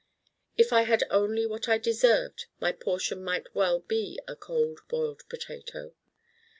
If I had only what I deserved my portion might well be a Cold Boiled Potato.